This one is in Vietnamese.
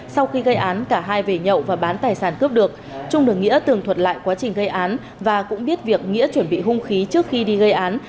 sau khi gây án cả hai về nhậu và bán tài sản cướp được trung được nghĩa tường thuật lại quá trình gây án và cũng biết việc nghĩa chuẩn bị hung khí trước khi đi gây án